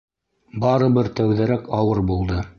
— Барыбер тәүҙәрәк ауыр булды.